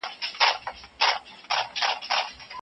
زه هره ورځ سهار وختي پاڅېږم